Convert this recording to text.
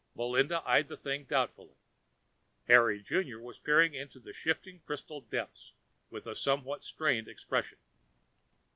Melinda eyed the thing doubtfully. Harry Junior was peering into the shifting crystal depths with a somewhat strained expression.